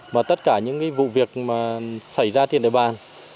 và tất cả những vụ việc xảy ra trên đại bàn